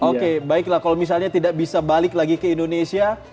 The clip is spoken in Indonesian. oke baiklah kalau misalnya tidak bisa balik lagi ke indonesia